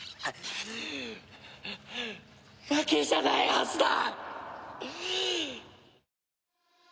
負けじゃないはずだ！